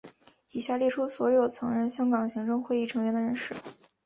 以下列出所有曾任香港行政会议成员的人士。